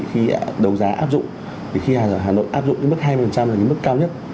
khi đấu giá áp dụng thì khi hà nội áp dụng cái mức hai mươi là cái mức cao nhất